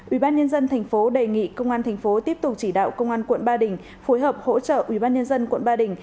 ubnd tp đề nghị công an tp tiếp tục chỉ đạo công an quận ba đình phối hợp hỗ trợ ubnd quận ba đình